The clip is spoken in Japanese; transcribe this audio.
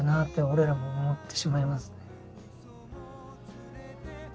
俺らも思ってしまいます。